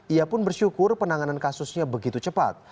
ia pun bersyukur penanganan kasusnya begitu cepat